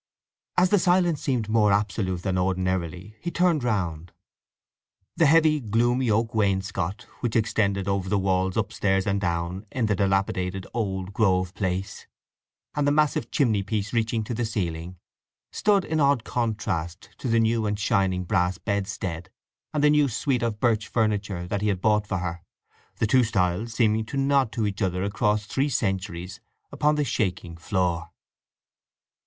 As the silence seemed more absolute than ordinarily he turned round. The heavy, gloomy oak wainscot, which extended over the walls upstairs and down in the dilapidated "Old Grove Place," and the massive chimney piece reaching to the ceiling, stood in odd contrast to the new and shining brass bedstead, and the new suite of birch furniture that he had bought for her, the two styles seeming to nod to each other across three centuries upon the shaking floor.